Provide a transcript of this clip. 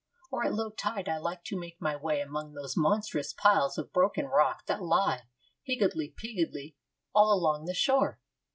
Or, at low tide, I like to make my way among those monstrous piles of broken rock that lie, higgledy piggledy, all along the shore.